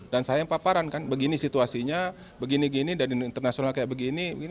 dan saya yang paparan kan begini situasinya begini gini dan internasionalnya kayak begini